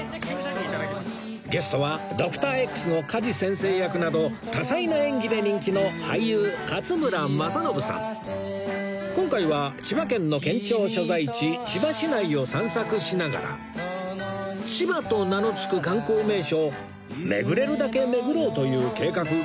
ゲストは『Ｄｏｃｔｏｒ−Ｘ』の加地先生役など多彩な演技で人気の今回は千葉県の県庁所在地千葉市内を散策しながら千葉と名のつく観光名所を巡れるだけ巡ろうという計画